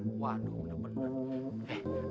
waduh udah bener